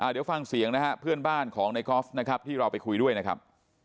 เดี๋ยวฟังเสียงเพื่อนบ้านของในกรอฟที่เราไปคุยด้วยนะครับ